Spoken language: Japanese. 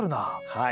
はい。